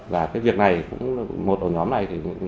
và cái việc này một ổ nhóm này